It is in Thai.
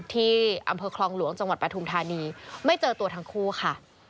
ที่อำเภอคลองหลวงจังหวัดปทุมธานีไม่เจอตัวทั้งคู่ค่ะ